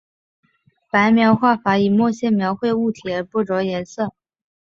白描画法以墨线描绘物体而不着颜色。